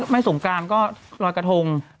ไม่สมการก็รอยกาทง